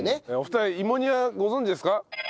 お二人芋煮はご存じですか？